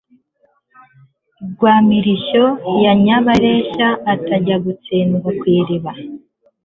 Rwa Mirishyo ya Nyabareshya Atajya gutendwa ku iriba.